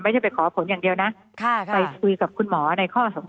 ไม่ได้ไปขอผลอย่างเดียวนะ